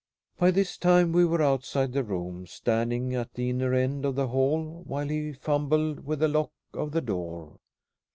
By this time we were outside the room, standing at the inner end of the hall, while he fumbled with the lock of the door.